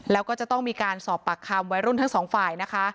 แล้วก็จะต้องมีการสอบปากคำวัยรุ่นทั้งสองฝ่ายนะคะ